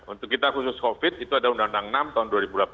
untuk kita khusus covid itu ada undang undang enam tahun dua ribu delapan belas